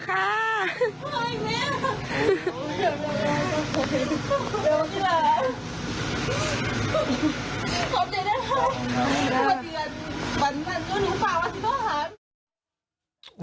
ขอบใจได้เลย